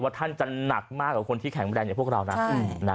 ท่านจะหนักมากกว่าคนที่แข็งแรงอย่างพวกเรานะ